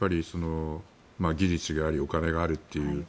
技術があり、お金があるという。